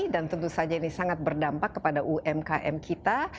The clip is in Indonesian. dan tentu saja ini sangat berdampak kepada umkm kita